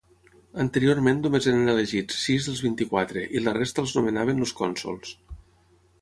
Anteriorment només eren elegits sis dels vint-i-quatre i la resta els nomenaven els cònsols.